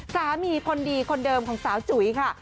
สามีคนดีคนเดิมของสาวจุ๋ยค่ะ